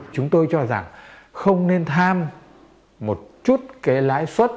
chúng tôi cho rằng không nên tham một chút cái lãi suất